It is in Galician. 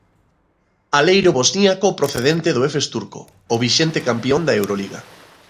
Aleiro bosníaco procedente do Efes turco, o vixente campión da Euroliga.